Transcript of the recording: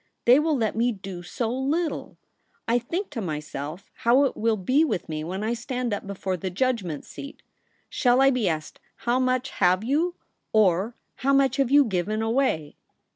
They will let me do so little. I think to myself how it will be with me when I stand up before the judgment seat. Shall I be asked, How much have you ? or, How much have you given away